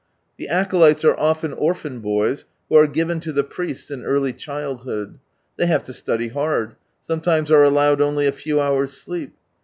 The acolytes are often orphan boys, who are given to the priests in early childhood. 'I'hey have to study hard ; sometimes are allowed only a few hours' sleep.